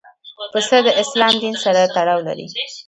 پسه د اسلام دین سره تړاو لري.